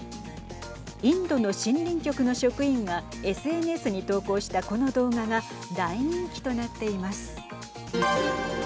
インドの森林局の職員がＳＮＳに投稿したこの動画が大人気となっています。